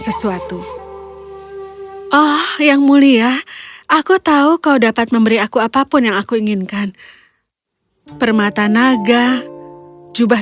sesuatu oh yang mulia aku tahu kau dapat memberi aku apapun yang aku inginkan permata naga jubah